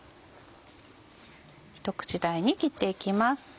一口大に切っていきます。